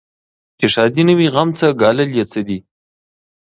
چي ښادي نه وي غم څه ګالل یې څه دي